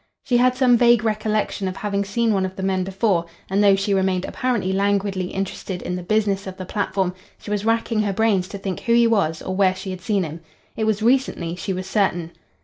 She had some vague recollection of having seen one of the men before, and though she remained apparently languidly interested in the business of the platform, she was racking her brains to think who he was or where she had seen him. It was recently, she was certain.